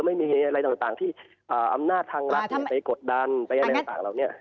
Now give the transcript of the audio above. ไม่มีอะไรต่างที่อำนาจทางรัฐไปกดดันไปอะไรต่างเหล่านี้